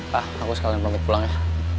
pak aku sekalian pamit pulang ya